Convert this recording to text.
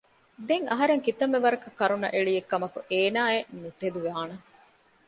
ދެން އަހަރެން ކިތަންމެ ވަރަކަށް ކަރުނަ އެޅިއެއް ކަމަކު އޭނާއެއް ނުތެދުވާނެ